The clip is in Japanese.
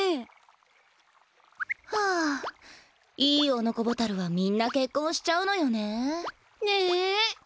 はいいオノコボタルはみんなけっこんしちゃうのよね。ね。